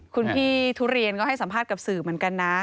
คุณพี่ทุเรียนก็ให้สัมภาษณ์กับสื่อเหมือนกันนะ